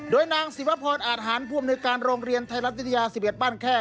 โดยนางศิวพรอาทหารผู้อำนวยการโรงเรียนไทยรัฐวิทยา๑๑บ้านแค่